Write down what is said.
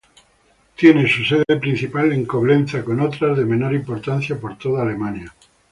Tiene su sede principal en Coblenza, con otras de menor importancia por toda Alemania.